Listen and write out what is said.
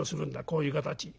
こういう形。